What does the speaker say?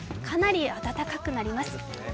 かなり暖かくなります。